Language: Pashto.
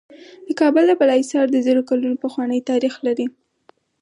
د کابل د بالا حصار د زرو کلونو پخوانی تاریخ لري